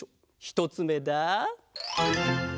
ひとつめだ！